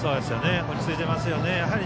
落ち着いていますよね。